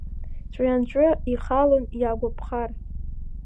Ҵәҩанҵәы ихалон иагәаԥхар.